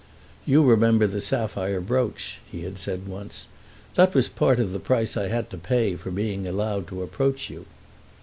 "You remember the sapphire brooch," he had said once. "That was part of the price I had to pay for being allowed to approach you."